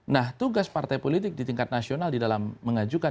nah tugas partai politik itu adalah membuatnya lebih menentukan